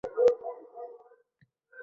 O‘zni sanamlikka chog‘layur kimlar…